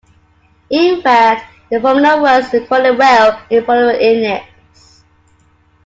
In fact, the formula works equally well with Imperial Units.